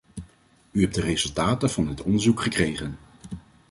U hebt de resultaten van dit onderzoek gekregen.